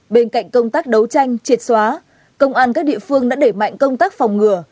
bên cạnh công tác đấu tranh triệt xóa công an các địa phương đã để mạnh công tác phòng ngừa